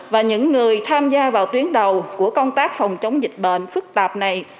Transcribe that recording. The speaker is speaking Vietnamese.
và những người tham gia vào tuyến đầu của công tác phòng chống dịch bệnh phức tạp này